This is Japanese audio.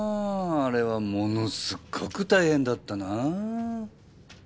あれはものすっごく大変だったなあ！